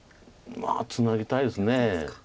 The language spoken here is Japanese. まあツナぎたいです。